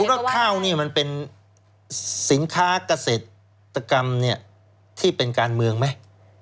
คุณว่าข้าวเนี่ยมันเป็นสินค้ากเศรษฐกรรมเนี่ยที่เป็นการเมืองไหม